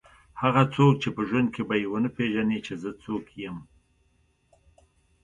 هغه څوک چې په ژوند کې به یې ونه پېژني چې زه څوک یم.